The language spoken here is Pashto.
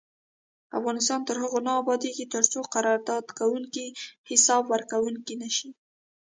افغانستان تر هغو نه ابادیږي، ترڅو قرارداد کوونکي حساب ورکوونکي نشي.